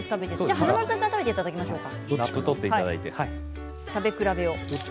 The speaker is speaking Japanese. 華丸さんから食べていただきましょうか。